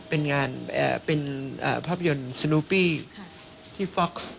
เป็นงานเป็นภาพยนตร์สนูปี้ที่ฟ็อกซ์